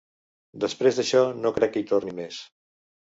Després d'això, no crec que hi torni més.